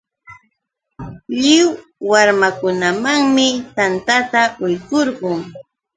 Lliw warmakunamanmi tantata quykurqun.